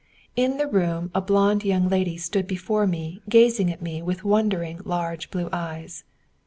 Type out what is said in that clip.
In the room a blonde young lady stood before me gazing at me with wondering large blue eyes.